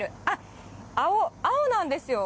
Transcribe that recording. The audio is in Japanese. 青なんですよ。